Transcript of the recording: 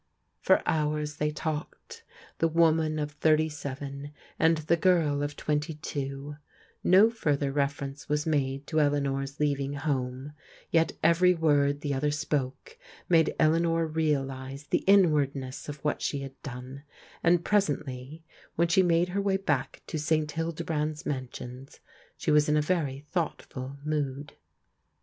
For hours they talked; the woman of thirty seven and *he girl of twenty two^ 'So iuT^ftaRx ic^^&x^siKft. ^^i& %&sh^ MISS STATHAM" 357 to Eleanor's leaving home, yet every word the other spoke made Eleanor realize the inwardness of what she had done, and presently when she made her way back to St Hildebrand's Mansions she was in a very thought ful mood.